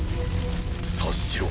察しろ。